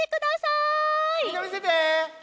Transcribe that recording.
みんなみせて！